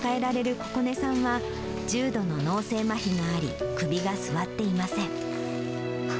ここねさんは、重度の脳性まひがあり、首が座っていません。